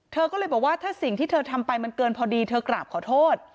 เธอก็เลยบอกว่าถ้าสิ่งที่เธอทำไปมันเกินพอดีเธอกราบขอโทษ